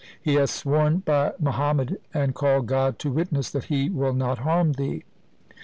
He hath sworn by Muhammad and called God to witness that he will not harm thee.